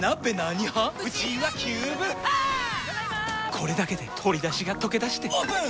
これだけで鶏だしがとけだしてオープン！